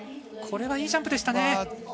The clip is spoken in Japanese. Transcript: これはいいジャンプでしたね。